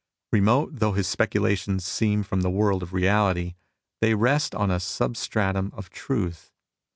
Remote though his speculations seem from the world of reality, they rest on a substratum of truth.